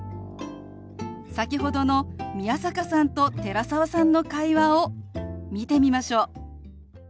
先ほどの宮坂さんと寺澤さんの会話を見てみましょう。